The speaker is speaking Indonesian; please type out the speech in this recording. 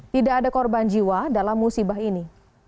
tidak ada korban jiwa dalam musibah ini